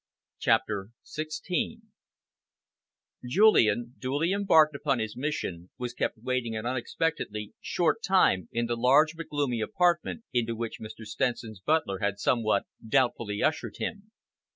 CHAPTER XVI Julian, duly embarked upon his mission, was kept waiting an unexpectedly short time in the large but gloomy apartment into which Mr. Stenson's butler had somewhat doubtfully ushered him.